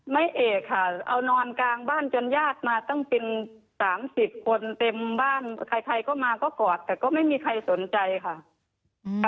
ไม่เอกค่ะเอานอนกลางบ้านจนญาติมาตั้งเป็น๓๐คนเต็มบ้านใครใครก็มาก็กอดแต่ก็ไม่มีใครสนใจค่ะ